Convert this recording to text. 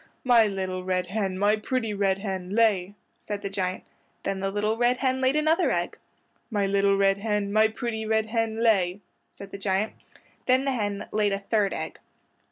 "My little red hen, my pretty red hen, lay!" said the giant. Then the little red hen laid another egg. "My little red hen, my pretty red hen, lay," said the giant. Then the hen laid a third egg.